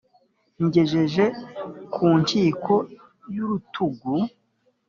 Ngejeje ku nkiko y’ urutugu